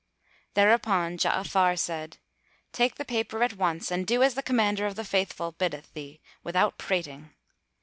Thereupon Ja'afar said, "Take the paper at once, and do as the Commander of the Faithful biddeth thee without prating."